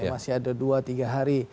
masih ada dua tiga hari